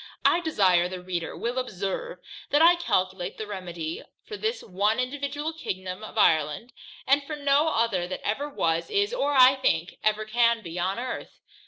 I desire the reader will observe, that I calculate my remedy for this one individual Kingdom of Ireland, and for no other that ever was, is, or, I think, ever can be upon Earth.